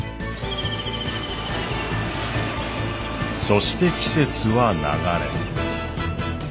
そして季節は流れ。